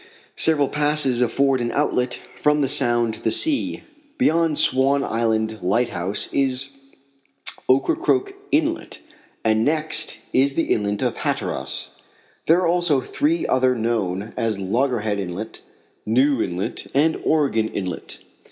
Several passes afford an outlet from the Sound to the sea. Beyond Sivan Island lighthouse is Ocracoke inlet, and next is the inlet of Hatteras. There are also three others known as Logger Head inlet, New inlet, and Oregon inlet.